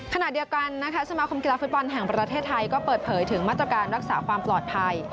ขณะเดียวกันนะคะสมาคมกีฬาฟุตบอลแห่งประเทศไทยก็เปิดเผยถึงมาตรการรักษาความปลอดภัย